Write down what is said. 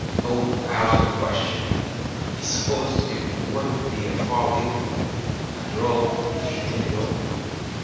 Oh, out of the question! He supposed it would be a folly? After all, should he go?